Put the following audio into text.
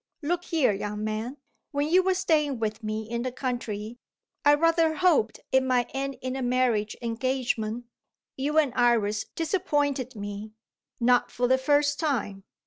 "Look here, young man. When you were staying with me in the country, I rather hoped it might end in a marriage engagement. You and Iris disappointed me not for the first time.